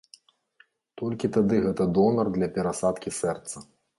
Толькі тады гэта донар для перасадкі сэрца.